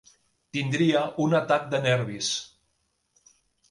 Tindria un atac de nervis.